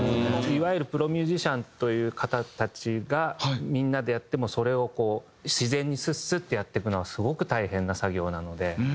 いわゆるプロミュージシャンという方たちがみんなでやってもそれをこう自然にスッスッてやっていくのはすごく大変な作業なので。